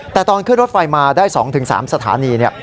แต่ตอนขึ้นรถไฟมาได้๒๓สถานี